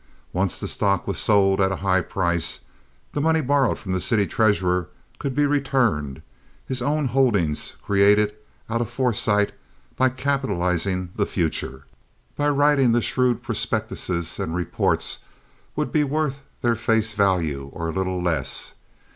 Once the stock was sold at a high price, the money borrowed from the city treasurer could be returned; his own holdings created out of foresight, by capitalizing the future, by writing the shrewd prospectuses and reports, would be worth their face value, or little less.